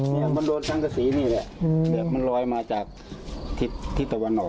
ตั้งแต่สีนี้แหละมันลอยมาจากทิศตะวันออก